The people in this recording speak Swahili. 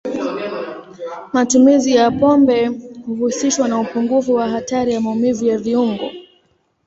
Matumizi ya pombe huhusishwa na upungufu wa hatari ya maumivu ya viungo.